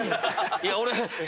いや俺。